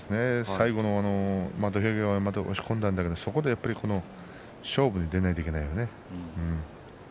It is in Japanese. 最後は土俵際まで押し込んでいきましたが勝負に出ないといけないね。